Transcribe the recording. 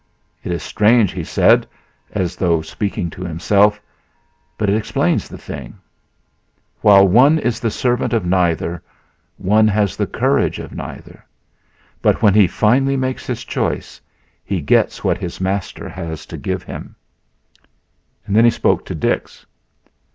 "It is strange," he said, as though speaking to himself, "but it explains the thing. While one is the servant of neither, one has the courage of neither; but when he finally makes his choice he gets what his master has to give him." Then he spoke to Dix.